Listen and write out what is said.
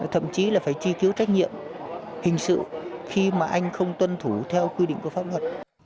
thậm chí là phải truy cứu trách nhiệm hình sự khi mà anh không tuân thủ theo quy định của pháp luật